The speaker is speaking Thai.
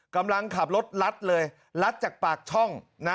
กำลังขับรถลัดเลยลัดจากปากช่องนะ